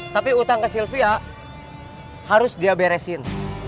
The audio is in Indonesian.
tapi utang ke sylvia harus dia beresin